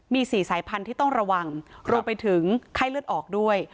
มี๔สายพันธุ์ที่ต้องระวังรวมไปถึงไข้เลือดออกด้วย